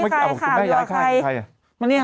ไม่เห็นไม่เลยนี่